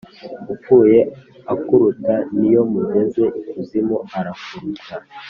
Upfuye akuruta niyo mugeze ikuzimu arakuruta.